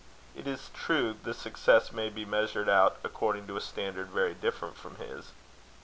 It is true the success may be measured out according to a standard very different from his.